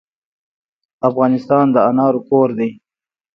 افغانستان د انارو کور دی.